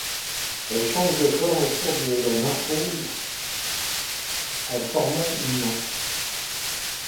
Elle change de forme au cours de la nymphose, en formant une nymphe.